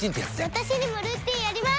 私にもルーティンあります！